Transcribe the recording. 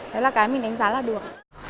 đó là cái mình đánh giá là được